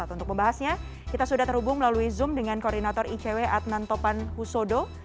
untuk membahasnya kita sudah terhubung melalui zoom dengan koordinator icw adnan topan husodo